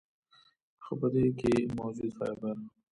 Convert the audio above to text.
خو پۀ دې کښې موجود فائبر ،